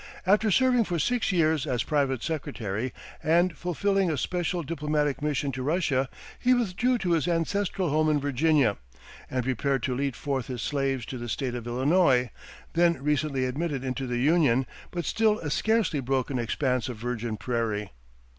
After serving for six years as private secretary, and fulfilling a special diplomatic mission to Russia, he withdrew to his ancestral home in Virginia, and prepared to lead forth his slaves to the State of Illinois, then recently admitted into the Union, but still a scarcely broken expanse of virgin prairie.